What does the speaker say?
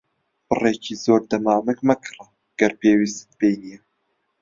بڕێکی زۆر دەمامک مەکڕە ئەگەر پێویستیت پێی نییە.